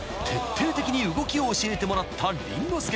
徹底的に動きを教えてもらった凛之